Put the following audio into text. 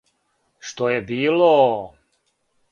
Што је било!